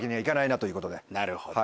なるほど。